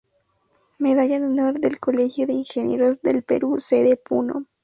Medalla de Honor del Colegio de Ingenieros del Perú Sede Puno.